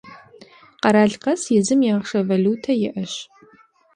Къэрал къэс езым и ахъшэ – валютэ иӏэжщ.